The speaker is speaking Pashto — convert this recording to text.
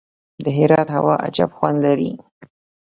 د هرات هوا عجیب خوند لري.